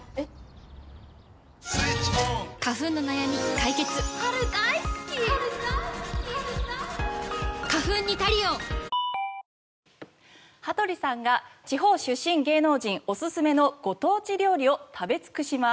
東京海上日動羽鳥さんが地方出身芸能人おすすめのご当地料理を食べ尽くします。